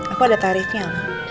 aku ada tarifnya